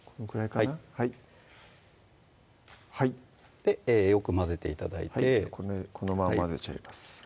はいはいよく混ぜて頂いてこのまま混ぜちゃいます